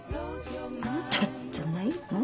あなたじゃないの？